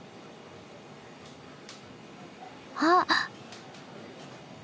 あっ！